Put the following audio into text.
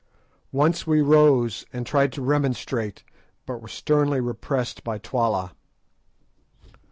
Once we rose and tried to remonstrate, but were sternly repressed by Twala.